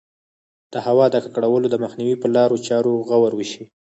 د هوا د ککړولو د مخنیوي په لارو چارو غور وشي.